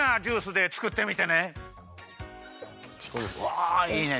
わあいいね。